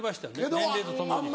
年齢とともに。